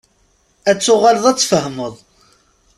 Ad tuɣaleḍ ad tfehmeḍ.